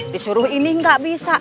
disuruh ini gak bisa